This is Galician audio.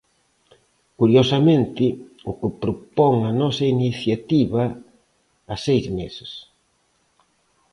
Curiosamente, o que propón a nosa iniciativa, a seis meses.